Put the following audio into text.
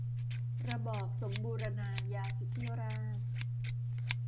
ระบอบสมบูรณาญาสิทธิราช